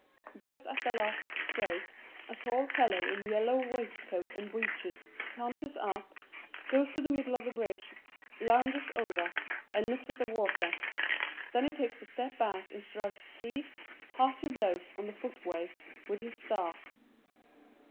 Just at the last stroke, a tall fellow in yellow waistcoat and breeches saunters up, goes to the middle of the bridge, lounges over, and looks at the water ; then he takes a step back and strikes three hearty blows on the footway with his staff.